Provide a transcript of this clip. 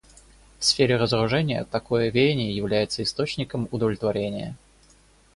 В сфере разоружения такое веяние является источником удовлетворения.